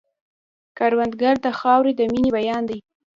کروندګر د خاورې د مینې بیان دی